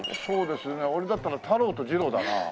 そうですね俺だったら太郎と次郎だな。